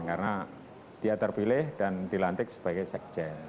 karena dia terpilih dan dilantik sebagai sekjen